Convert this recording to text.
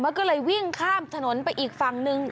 มันก็เลยวิ่งข้ามถนนไปอีกฝั่งนึง